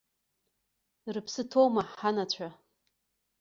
Рыԥсы ҭоума ҳанацәа.